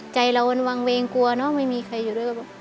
ใจเรามันวางเวงกลัวเนอะไม่มีใครอยู่ด้วยก็แบบ